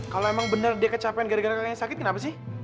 kalau emang benar dia kecapean gara gara kalian sakit kenapa sih